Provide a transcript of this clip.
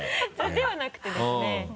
ではなくてですね。